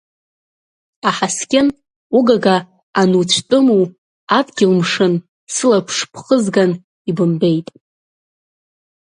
Аҳаскьын, угага ануцәтәыму, Адгьыл мшын, Сылаԥш бхызган, ибымбеит…